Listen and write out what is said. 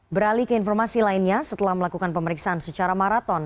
beralih ke informasi lainnya setelah melakukan pemeriksaan secara maraton